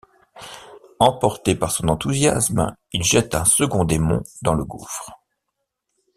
Emporté par son enthousiasme, il jette un second démon dans le gouffre.